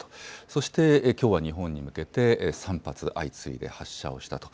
そして、きょうは日本に向けて３発相次いで発射をしたと。